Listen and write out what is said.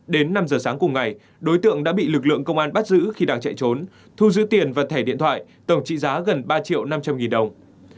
đến năm giờ sáng cùng ngày đối tượng đã bị lực lượng công an bắt giữ khi đang chạy trốn thu giữ tiền và thẻ điện thoại tổng trị giá gần ba triệu năm trăm linh nghìn đồng